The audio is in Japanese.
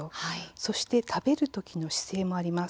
そして食べるときの姿勢もあります。